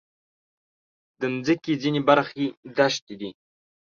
د مځکې ځینې برخې دښتې دي.